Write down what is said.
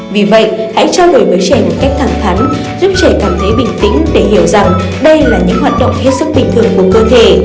vì vậy hãy trao đổi với trẻ một cách thẳng thắn giúp trẻ cảm thấy bình tĩnh để hiểu rằng đây là những hoạt động hết sức bình thường của cơ thể